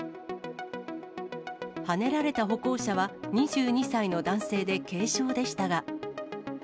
はねられた歩行者は、２２歳の男性で軽傷でしたが。